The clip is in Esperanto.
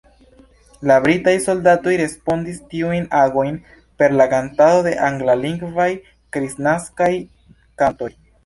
La britaj soldatoj respondis tiujn agojn per la kantado de anglalingvaj kristnaskaj kantoj.